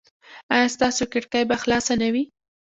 ایا ستاسو کړکۍ به خلاصه نه وي؟